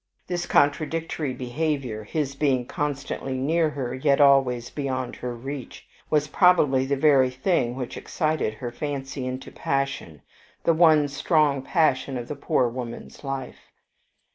This contradictory behavior, his being constantly near her, yet always beyond her reach, was probably the very thing which excited her fancy into passion, the one strong passion of the poor woman's life.